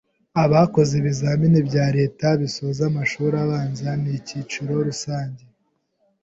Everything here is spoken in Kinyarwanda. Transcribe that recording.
A bakoze ibizamini bya Leta bisoza amashuri abanza n’ikiciro rusange